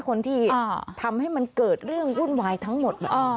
คนที่ทำให้มันเกิดเรื่องวุ่นวายทั้งหมด